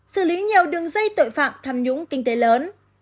xử lý nhiều đường dây tội phạm tham nhũng kinh tế lớn